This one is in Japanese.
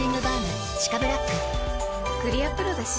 クリアプロだＣ。